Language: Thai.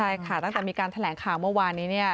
ใช่ค่ะตั้งแต่มีการแถลงข่าวเมื่อวานนี้เนี่ย